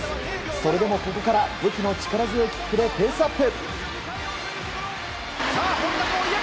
それでもここから武器の力強いキックでペースアップ。